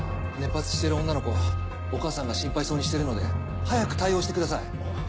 熱発してる女の子お母さんが心配そうにしてるので早く対応してください。